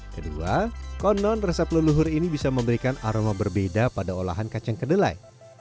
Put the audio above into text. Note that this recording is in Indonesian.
kedua konon resep leluhur ini bisa memberikan aroma berbeda pada olahan kacang kedelai